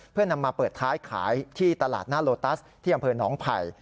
เพื่อนำมาเปิดท้ายขายที่ตลาดหน้าโลตัสที่อำเภอหนองไผ่